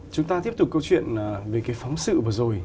chúng ta tiếp tục câu chuyện về cái phóng sự vừa rồi